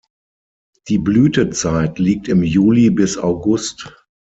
Die Blütezeit liegt im Juli bis August.